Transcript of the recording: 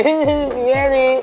ini si yeni